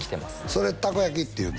それ「たこ焼き」って言うの？